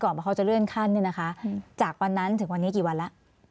ว่าเขาจะเลื่อนขั้นเนี่ยนะคะจากวันนั้นถึงวันนี้กี่วันแล้ว